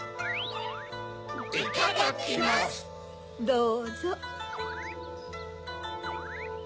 どうぞ。